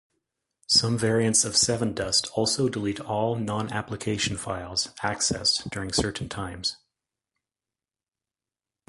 Some variants of SevenDust also delete all non-application files accessed during certain times.